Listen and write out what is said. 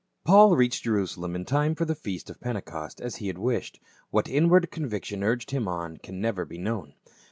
AUL reached Jerusalem in time for the feast of Pentecost, as he had wished. What inward conviction urged him on can never be known.